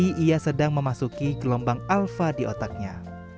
dia sedang memasuki gelombang alfa di otaknya